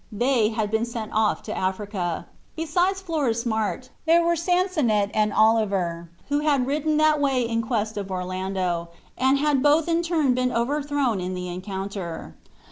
They had been sent off to Africa. Besides Florismart, there were Sansonnet and Oliver, who had ridden that way in quest of Orlando, and had both in turn been overthrown in the encounter.